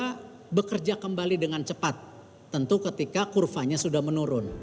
dapat kepastian makan dan juga bekerja kembali dengan cepat tentu ketika kurvanya sudah menurun